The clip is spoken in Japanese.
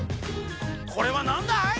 これはなんだい？